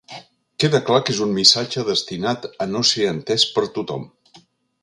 Queda clar que és un missatge destinat a no ser entès per tothom.